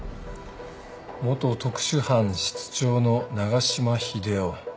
元特殊班室長の長嶋秀夫。